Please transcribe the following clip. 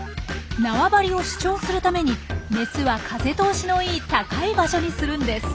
縄張りを主張するためにメスは風通しのいい高い場所にするんです。